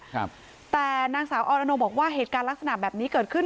ครับแต่นางสาวออนอนงบอกว่าเหตุการณ์ลักษณะแบบนี้เกิดขึ้น